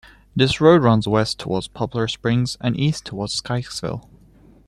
This road runs west toward Poplar Springs and east toward Sykesville.